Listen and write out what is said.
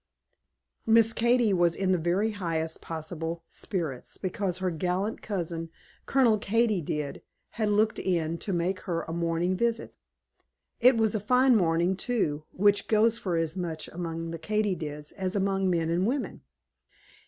Miss Katy was in the very highest possible spirits, because her gallant cousin, Colonel Katy did, had looked in to make her a morning visit. It was a fine morning, too, which goes for as much among the Katy dids as among men and women.